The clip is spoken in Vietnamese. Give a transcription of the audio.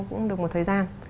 cũng được một thời gian